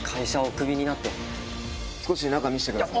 少し中見せてください。